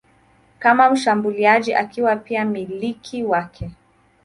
kama mshambuliaji akiwa pia mmiliki wake.